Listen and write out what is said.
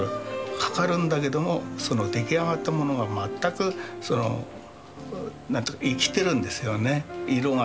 かかるんだけども出来上がったものが全く生きてるんですよね。